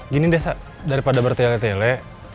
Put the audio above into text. gini deh sa daripada bertele tele